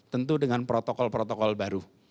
tentu dengan protokol protokol baru